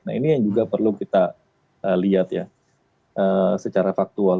nah ini yang juga perlu kita lihat ya secara faktual